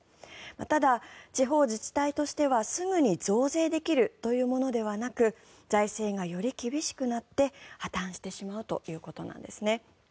ただ、地方自治体としてはすぐに増税できるというものではなく財政がより厳しくなって破たんしてしまうということなんですね。